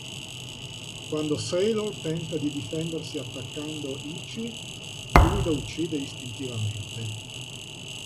Quando Sailor tenta di difendersi attaccando Ichi, lui la uccide istintivamente.